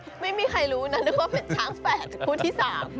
ใช่ไม่มีใครรู้นะนัดนึกว่าเป็นช้างแฟดคู่ที่สาม